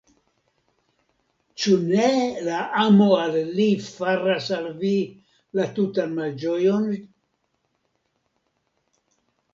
Ĉu ne la amo al li faras al vi la tutan malĝojon?